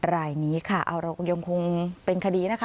รายนี้ค่ะเอาเรายังคงเป็นคดีนะคะ